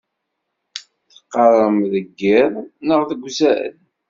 Teqqaṛem deg iḍ neɣ deg uzal?